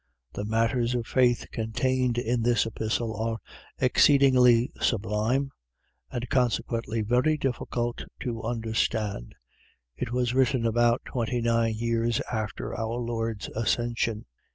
The matters of faith contained in this Epistle are exceedingly sublime, and consequently very difficult to be understood. It was written about twenty nine years after our Lord's Ascension.